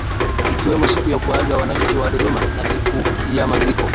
Ikiwemo siku ya kuaga wananchi wa dodoma na siku ya maziko